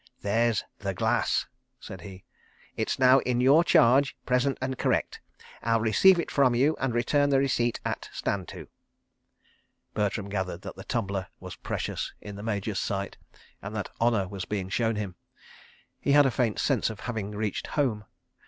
"There's The Glass," said he. "It's now in your charge, present and correct. I'll receive it from you and return the receipt at 'Stand to.' ..." Bertram gathered that the tumbler was precious in the Major's sight, and that honour was being shown him. He had a faint sense of having reached Home.